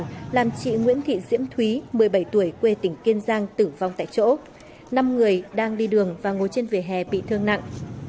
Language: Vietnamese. chiếc xe lao về phía trước gây tai nạn liên quan làm chị nguyễn thị diễm thúy một mươi bảy tuổi quê tỉnh kiên giang tử vong tại chỗ năm người đang đi đường và ngồi trên vỉa hè bị thương nặng